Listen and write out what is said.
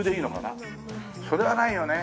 それはないよね？